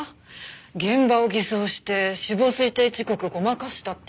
現場を偽造して死亡推定時刻ごまかしたっていうんですか？